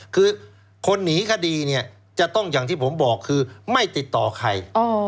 คือคนหนีคดีเนี่ยจะต้องอย่างที่ผมบอกคือไม่ติดต่อใคร